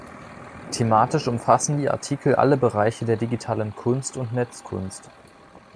Thematisch umfassen die Artikel alle Bereiche der digitalen Kunst und Netzkunst.